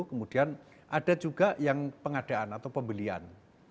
kemudian ada juga yang pengadaan atau pembelian